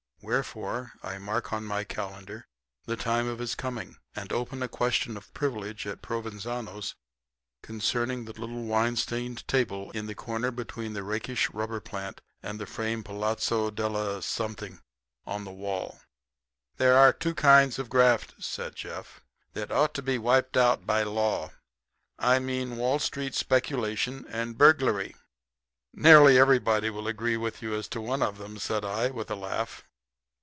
Wherefore, I mark on my calendar the time of his coming, and open a question of privilege at Provenzano's concerning the little wine stained table in the corner between the rakish rubber plant and the framed palazzio della something on the wall. "There are two kinds of graft," said Jeff, "that ought to be wiped out by law. I mean Wall Street speculation, and burglary." "Nearly everybody will agree with you as to one of them," said I, with a laugh.